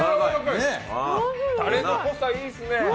タレの濃さいいですね。